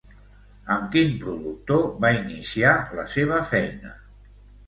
Amb quin productor va iniciar la seva feina?